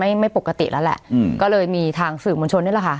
ไม่ไม่ปกติแล้วแหละอืมก็เลยมีทางสื่อมวลชนนี่แหละค่ะ